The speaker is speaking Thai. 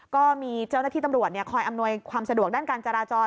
ก็มีเจ้าหน้าที่ตำรวจคอยอำนวยความสะดวกด้านการจราจร